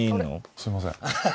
すいません。